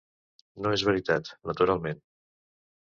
No és veritat, naturalment.